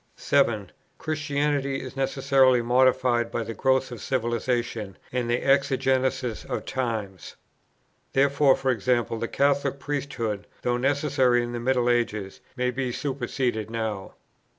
7. Christianity is necessarily modified by the growth of civilization, and the exigencies of times. Therefore, e.g. the Catholic priesthood, though necessary in the Middle Ages, may be superseded now.